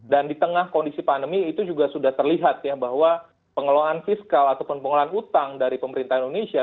dan di tengah kondisi pandemi itu juga sudah terlihat ya bahwa pengelolaan fiskal ataupun pengelolaan utang dari pemerintah indonesia